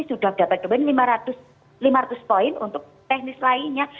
sudah dapat domain lima ratus poin untuk teknis lainnya